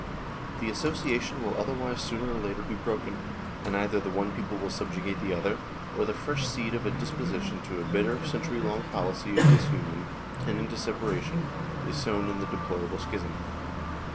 The association will otherwise sooner or later be broken, and either the one people will subjugate the other, or the fresh seed of a disposition to a bitter century long policy of disunion, tending to separation, is sown in the de plorable schism."